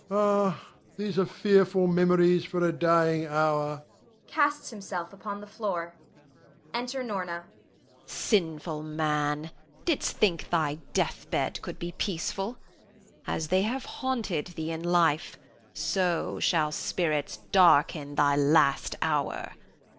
Rod. Ah, these are fearful memories for a dying hour! [Casts himself upon the floor.] [Enter Norna. Norna. Sinful man, didst think thy death bed could be peaceful? As they have haunted thee in life, so shall spirits darken thy last hour.